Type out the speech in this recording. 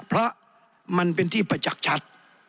เพราะมันเป็นที่ประจักษ์ชัด